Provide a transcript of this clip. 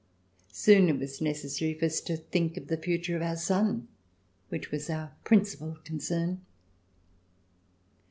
Soon it was necessary for us to think of the future of our son, which was our prin cipal concern.